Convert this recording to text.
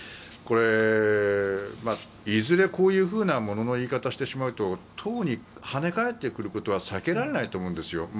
これ、いずれこういうふうな物の言い方をしてしまうと党に跳ね返ってくることは避けられないと思うんですよ。